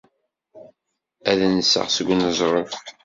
Ad nseɣ deg uneẓruf.